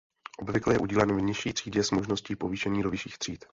Obvykle je udílen v nižší třídě s možností povýšení do vyšších tříd.